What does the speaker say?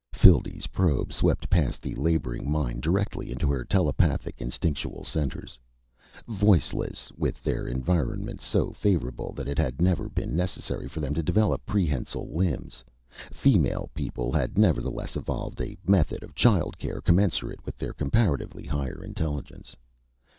Phildee's probe swept past the laboring mind directly into her telepathic, instinctual centers. Voiceless, with their environment so favorable that it had never been necessary for them to develop prehensile limbs, female people had nevertheless evolved a method of child care commensurate with their comparatively higher intelligence.